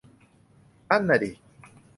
นั่นน่ะดิ